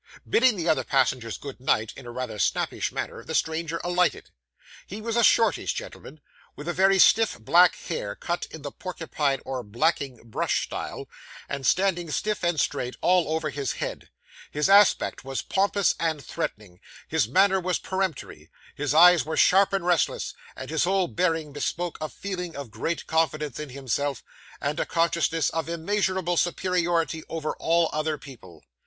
Bidding the other passengers good night, in a rather snappish manner, the stranger alighted. He was a shortish gentleman, with very stiff black hair cut in the porcupine or blacking brush style, and standing stiff and straight all over his head; his aspect was pompous and threatening; his manner was peremptory; his eyes were sharp and restless; and his whole bearing bespoke a feeling of great confidence in himself, and a consciousness of immeasurable superiority over all other people.